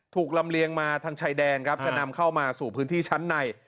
ลำเลียงมาทางชายแดนครับจะนำเข้ามาสู่พื้นที่ชั้นใน